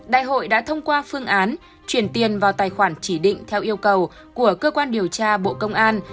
đại hội đã thông qua phương án chuyển tiền vào tài khoản chỉ định theo yêu cầu của cơ quan điều tra bộ công an